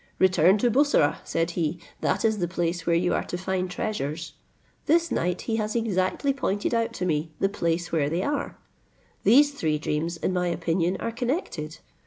'Return to Bussorah,' said he, 'that is the place where you are to find treasures;' this night he has exactly pointed out to me the place where they are: these three dreams in my opinion, are connected.